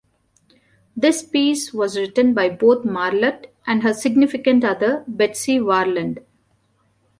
This piece was written by both Marlatt and her significant other, Betsy Warland.